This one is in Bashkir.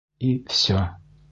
И фсе!